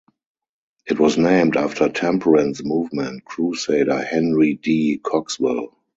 It was named after temperance movement crusader Henry D. Cogswell.